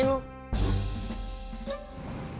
ini kan tanaman